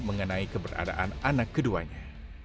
mengenai keberadaan anak keduanya